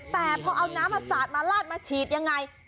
แต่พอเอาน้ำมาสาดมาลาดมาฉีดยังไง